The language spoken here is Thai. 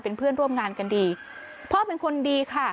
เป็นเพื่อนร่วมงานกันดีพ่อเป็นคนดีค่ะ